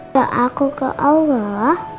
dua aku ke allah